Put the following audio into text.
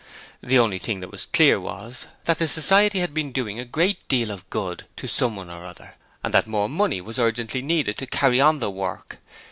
The only thing that was clear was that the society had been doing a great deal of good to someone or other, and that more money was urgently needed to carry on the work.